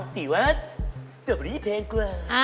ติว่าสติบอรี่แพงกว่า